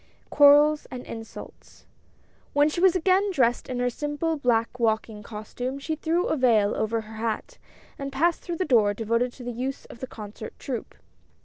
QUARRELS AND INSULTS. W HEN she was again dressed in her simple black walking costume she threw a vail over her hat, and passed through the door devoted to the use of the concert troupe.